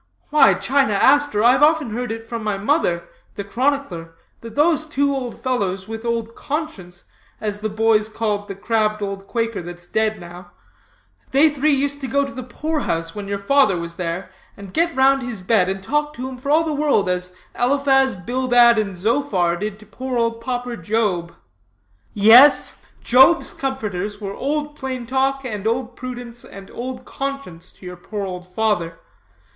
Why, China Aster, I've often heard from my mother, the chronicler, that those two old fellows, with Old Conscience as the boys called the crabbed old quaker, that's dead now they three used to go to the poor house when your father was there, and get round his bed, and talk to him for all the world as Eliphaz, Bildad, and Zophar did to poor old pauper Job. Yes, Job's comforters were Old Plain Talk, and Old Prudence, and Old Conscience, to your poor old father.